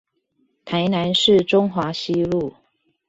臺南市中華西路